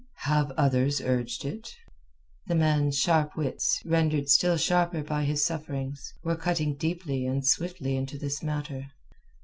"Have others urged it?" The man's sharp wits, rendered still sharper by his sufferings, were cutting deeply and swiftly into this matter.